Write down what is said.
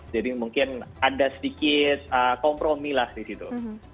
jadi mungkin ada sedikit kompromi lah di situ